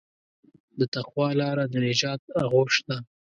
د تقوی لاره د نجات آغوش ده.